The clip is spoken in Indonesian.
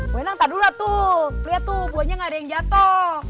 bu endang tar dulu lah tuh lihat tuh buahnya gak ada yang jatuh